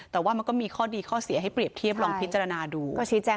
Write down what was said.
แต่ว่ามันก็มีข้อดีข้อเสียให้เปรียบเทียบลองพิจารณาดู